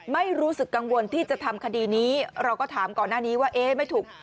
ไม่รู้สึกกังวลที่จะทำคดีนี้เราก็ถามก่อนหน้านี้ว่าเอ๊ะไม่ถูก